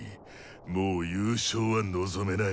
もう優勝は望めない！